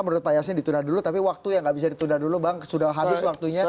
menurut payasin ditunda dulu tapi waktu yang bisa ditunda dulu bang sudah harus waktunya